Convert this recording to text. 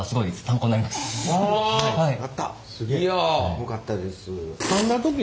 よかったです。